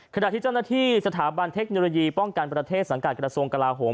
ขณะที่เจ้าหน้าที่สถาบันเทคโนโลยีป้องกันประเทศสังกัดกระทรวงกลาโหม